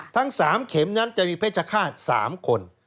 ทั้ง๓เข็มนั้นจะมีเพชรฆาต๓คน